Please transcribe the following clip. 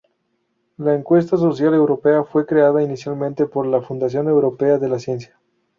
La Encuesta Social Europea fue creada inicialmente por la Fundación Europea de la Ciencia.